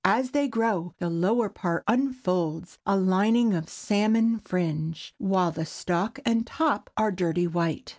As they grow, the lower part unfolds a lining of salmon fringe, while the stalk and top are dirty white.